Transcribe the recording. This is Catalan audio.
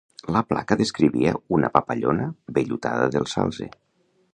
La placa descrivia una papallona vellutada del salze.